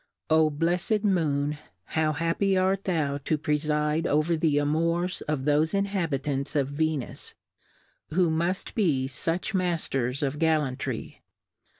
Oh, blefled Moon, how happy art thou to prefide over the Amours of thofe Inhabitants of Venus^ who muft be fuch Masters of Gallan try